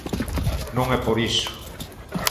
Non é por iso.